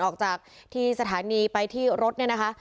ออกจากที่สถานีไปที่รถเนี่ยนะคะ